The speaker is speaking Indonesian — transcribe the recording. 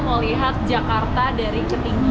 mau lihat jakarta dari ketinggian